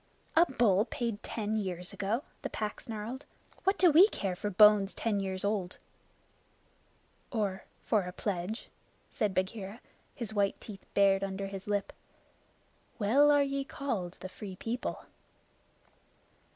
"A bull paid ten years ago!" the Pack snarled. "What do we care for bones ten years old?" "Or for a pledge?" said Bagheera, his white teeth bared under his lip. "Well are ye called the Free People!"